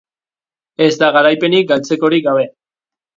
ez da garaipenik galtzekorik gabe